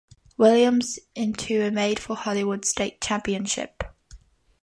Williams into a made-for-Hollywood state championship.